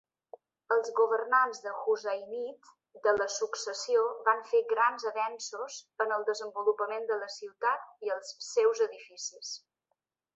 Els governants de Husainid de la successió van fer grans avenços en el desenvolupament de la ciutat i els seus edificis.